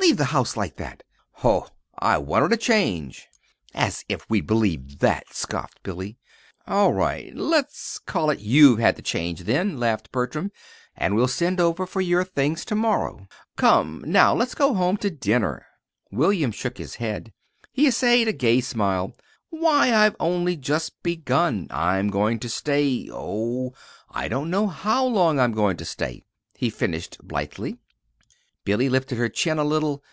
"Leave the house like that?" "Ho! I wanted a change." "As if we'd believe that!" scoffed Billy. "All right; let's call it you've had the change, then," laughed Bertram, "and we'll send over for your things to morrow. Come now let's go home to dinner." William shook his head. He essayed a gay smile. "Why, I've only just begun. I'm going to stay oh, I don't know how long I'm going to stay," he finished blithely. Billy lifted her chin a little.